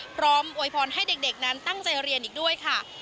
โวยพรให้เด็กนั้นตั้งใจเรียนอีกด้วยค่ะ